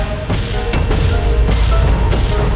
bukankah tidak ada bunda matelang